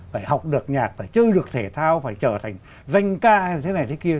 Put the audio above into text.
phải học được nhạc phải chơi được thể thao phải trở thành danh ca hay thế này thế kia